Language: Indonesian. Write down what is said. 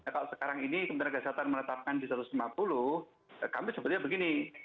kalau sekarang ini kementerian kesehatan menetapkan di satu ratus lima puluh kami sebetulnya begini